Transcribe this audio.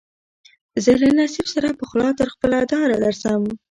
زه له نصیب سره پخلا تر خپله داره درځم